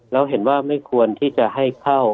แล้วเห็นว่าไม่ควรที่จะให้เข้า